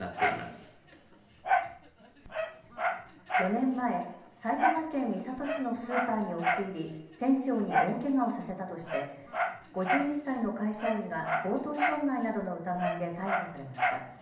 ４年前、埼玉県三郷市のスーパーに押し入り店長に大けがをさせたとして５１歳の会社員が強盗傷害などの疑いで逮捕されました。